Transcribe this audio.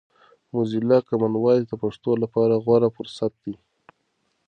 موزیلا کامن وایس د پښتو لپاره غوره فرصت دی.